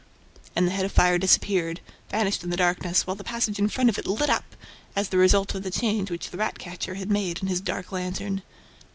..." And the head of fire disappeared, vanished in the darkness, while the passage in front of it lit up, as the result of the change which the rat catcher had made in his dark lantern.